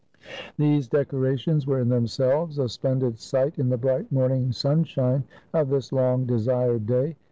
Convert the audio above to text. These decorations were in themselves a splendid sight in the bright morning sunshine of this long desired day.